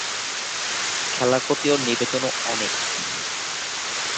খেলার প্রতি ওর নিবেদনও অনেক।